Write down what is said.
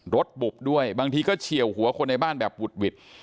บุบด้วยบางทีก็เฉียวหัวคนในบ้านแบบหุดหวิด